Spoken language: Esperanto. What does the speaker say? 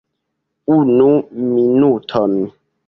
Unu minuton.